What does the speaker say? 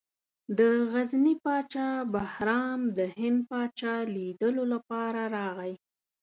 د غزني پاچا بهرام د هند پاچا لیدلو لپاره راغی.